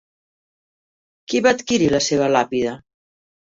Qui va adquirir la seva làpida?